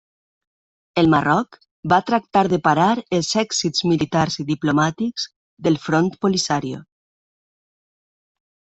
El Marroc va tractar de parar els èxits militars i diplomàtics del Front Polisario.